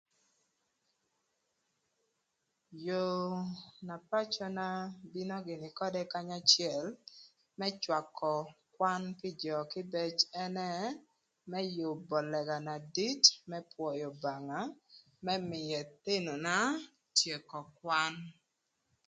Jö na pacöna obino gïnï ködë kanya acël më cwakö kwan pï jö kïbëc ënë më yübö lëga na dit më pwöyö Obanga më mïö ëthïnöna tyeko kwan.